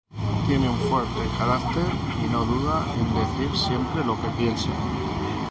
Tiene un fuerte carácter y no duda en decir siempre lo que piensa.